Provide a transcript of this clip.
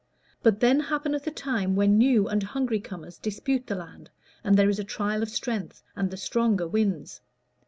But then happeneth a time when new and hungry comers dispute the land; and there is trial of strength, and the stronger wins.